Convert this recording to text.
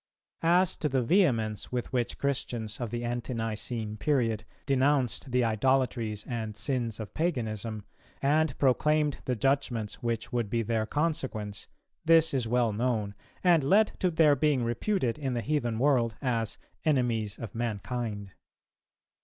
As to the vehemence with which Christians of the Ante nicene period denounced the idolatries and sins of paganism, and proclaimed the judgments which would be their consequence, this is well known, and led to their being reputed in the heathen world as "enemies of mankind."